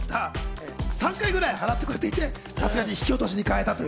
３回ぐらい払ってくれていて、さすがに引き落としに変えたという。